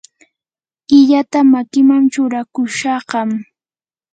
illata makiman churakushaqam.